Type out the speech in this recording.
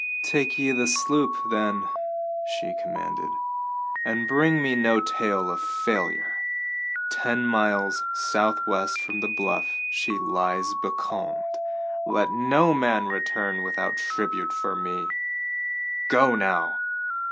"Take ye the sloop, then," she commanded, "and bring me no tale of failure. Ten miles southwest from the bluff she lies becalmed. Let no man return without tribute for me. Go now!"